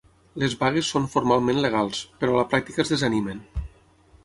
Les vagues són formalment legals, però a la pràctica es desanimen.